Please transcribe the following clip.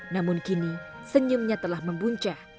namun kini senyumnya telah membuncah